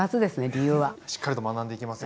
しっかりと学んでいきますよ。